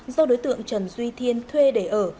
do đối tượng trần duy thiên thuê để ở